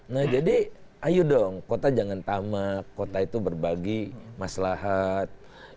nah jadi ayo dong kota jangan tamak kota itu berbagi maslahat